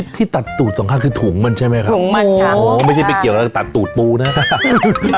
ที่ตัดตูดสองข้างคือถุงมันใช่ไหมครับถุงมันค่ะอ๋อไม่ใช่ไปเกี่ยวอะไรกับตัดตูดปูนะครับ